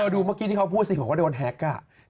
ดูเมื่อกี้ที่เขาพูดสิคงคงก็โดนแฮกก่อน